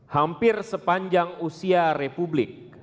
hampir sepanjang usia republik